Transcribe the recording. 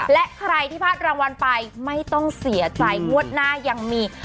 และใครที่พลาดรางวัลไปไม่ต้องเสียใจงวดหน้ายังมี